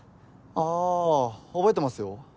ああ覚えてますよ。